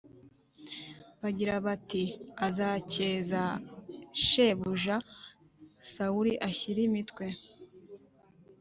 bagira bati Azakeza shebuja Sawuli ashyire imitwe